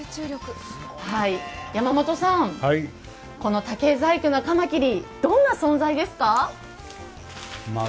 山本さん、この竹細工のかまきり、どんな存在ですか？